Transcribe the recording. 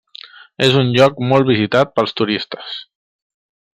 És un lloc molt visitat pels turistes.